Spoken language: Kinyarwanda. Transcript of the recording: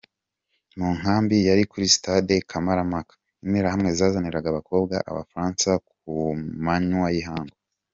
Mu nkambi yari kuri Sitade Kamarampaka, Interahamwe zazaniraga abakobwa abafaransa ku manywa y’ihangu.